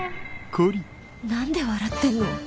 何で笑ってんの？